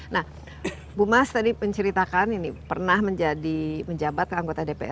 nah bu mas tadi menceritakan ini pernah menjadi menjabat anggota dpr